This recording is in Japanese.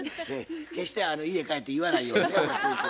決して家帰って言わないようにね。